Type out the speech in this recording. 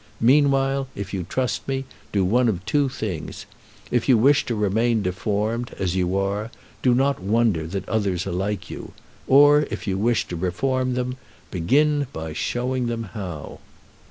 Meanwhile, if you trust me, do one of two things: if you wish to remain deformed, as you are, do not wonder that others are like you; or, if you wish to reform them, begin by showing them how."